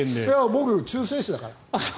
僕、中世史だから。